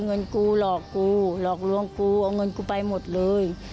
เงินกูหลอกกูหลอกลวงกูเอาเงินกูไปหมดเลย